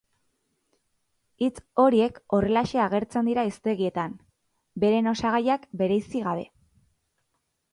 Hitz horiek horrelaxe agertzen dira hiztegietan, beren osagaiak bereizi gabe.